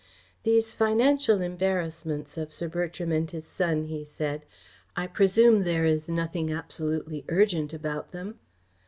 "These financial embarrassments of Sir Bertram and his son," he said, "I presume there is nothing absolutely urgent about them."